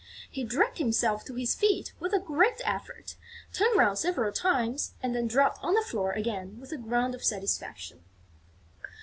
He dragged himself to his feet with a great effort, turned round several times and then dropped on the floor again with a grunt of satisfaction.